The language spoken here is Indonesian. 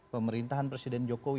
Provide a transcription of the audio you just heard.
pemerintahan presiden jokowi